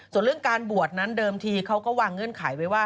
ส่วนเรื่องการบวชนั้นเดิมทีเขาก็วางเงื่อนไขไว้ว่า